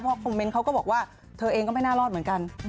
คอมเมนต์เขาก็บอกว่าเธอเองก็ไม่น่ารอดเหมือนกัน